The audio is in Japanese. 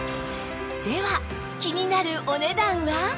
では気になるお値段は？